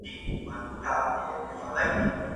که د نیالګیو کرلو کمپاین بریالی سي، نو چاپیریال نه وچیږي.